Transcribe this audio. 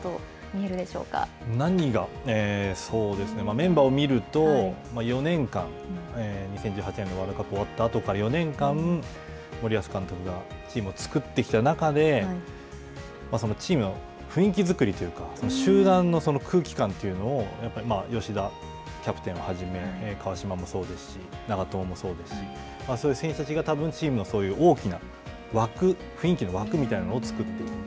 そうですねメンバーを見ると４年間、２０１８年のワールドカップが終わったあとから４年間森保監督がチームを作ってきた中でそのチームの雰囲気づくりというか、集団の空気感というのを吉田キャプテンをはじめ、川島もそうですし、長友もそうですし、そういう選手たちがたぶんチームのそういう大きな枠、雰囲気の枠みたいなのをつくっている。